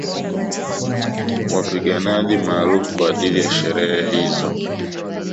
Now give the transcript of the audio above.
Wapiganaji maalumu kwa ajili ya sherehe hizo